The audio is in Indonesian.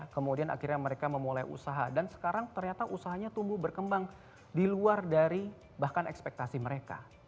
kemudian akhirnya mereka memulai usaha dan sekarang ternyata usahanya tumbuh berkembang di luar dari bahkan ekspektasi mereka